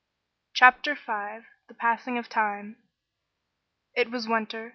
CHAPTER V THE PASSING OF TIME It was winter.